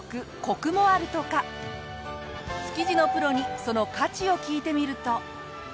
築地のプロにその価値を聞いてみると。